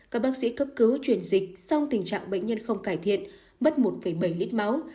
các bác sĩ cấp cứu chuyển dịch song tình trạng bệnh nhân không cải thiện mất một bảy lít máu